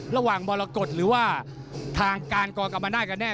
ระหว่างมรกฏหรือว่าทางการกรกรรมนาศกันแน่